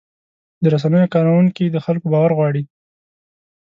د رسنیو کارکوونکي د خلکو باور غواړي.